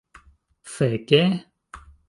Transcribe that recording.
feke